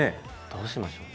どうしましょう。